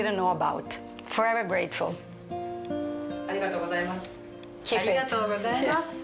ありがとうございます。